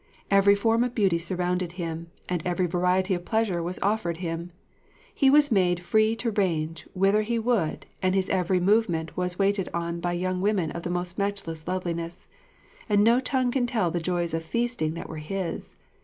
Every form of beauty surrounded him, and every variety of pleasure was offered him. He was made free to range whither he would, and his every movement was waited on by young women of the most matchless loveliness. And no tongue can tell the joys of feasting that were his!